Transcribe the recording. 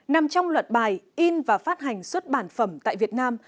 nằm trong luật bài in và phát hành xuất bản phẩm tại việt nam